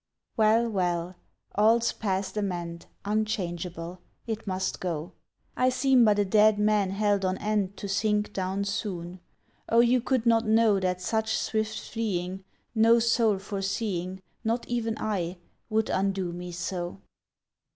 Well, well! All's past amend, Unchangeable. It must go. I seem but a dead man held on end To sink down soon ... O you could not know That such swift fleeing No soul foreseeing— Not even I—would undo me so!